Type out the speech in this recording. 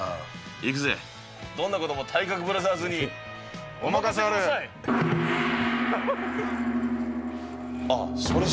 いくぜ、どんなことも体格ブラザーズにお任せあれ。